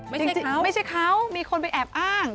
ไม่ใช่เขาไม่ใช่เขามีคนไปแอบอ้าง